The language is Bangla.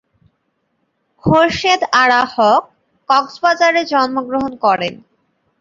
খোরশেদ আরা হক কক্সবাজারে জন্মগ্রহণ করেন।